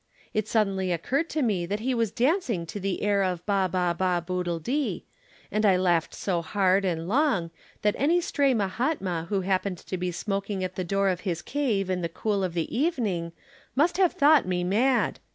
It suddenly occurred to me that he was dancing to the air of 'Ba, ba, ba, boodle dee,' and I laughed so loud and long, that any stray Mahatma who happened to be smoking at the door of his cave in the cool of the evening must have thought me mad.